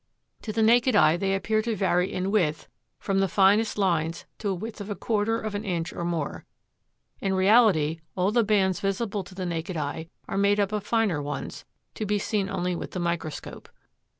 To the naked eye they appear to vary in width from the finest lines to a width of a quarter of an inch or more. In reality, all the bands visible to the naked eye are made up of finer ones, to be seen only with the microscope.